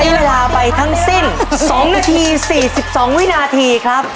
เวลาไปทั้งสิ้น๒นาที๔๒วินาทีครับ